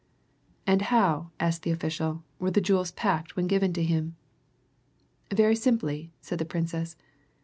"And how," asked the official, "were the jewels packed when given to him?" "Very simply," said the Princess.